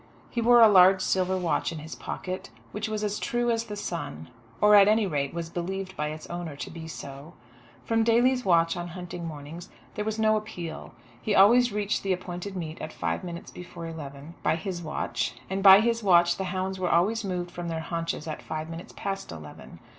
He wore a large silver watch in his pocket which was as true as the sun, or at any rate was believed by its owner to be so. From Daly's watch on hunting mornings there was no appeal. He always reached the appointed meet at five minutes before eleven, by his watch, and by his watch the hounds were always moved from their haunches at five minutes past eleven.